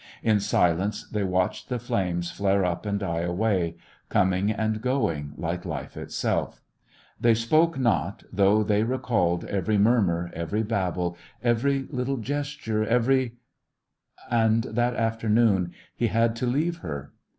In silence, they watched the flames flare up and die away, coming and going like life itself; they spoke not, though they recalled every murmur, every babble, every little gesture, every — And that afternoon he had to leave The West Was Young her.